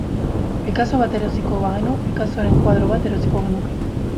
Picasso bat erosiko bagenu, Picassoren koadro bat erosiko genuke.